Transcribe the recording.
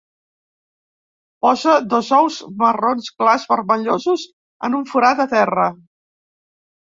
Posa dos ous marrons clars vermellosos en un forat a terra.